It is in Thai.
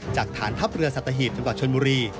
จากฐานทัพเรือสัตวิทย์จนกว่าชนมุรี